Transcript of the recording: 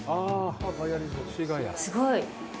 すごい。